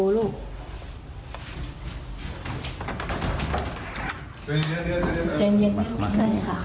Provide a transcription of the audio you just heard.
ลูกขึ้นเลยลูก